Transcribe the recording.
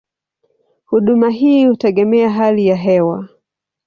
Huduma hii hutegemea hali ya hewa.